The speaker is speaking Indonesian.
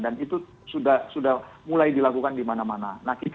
dan itu sudah mulai dilakukan dimana mana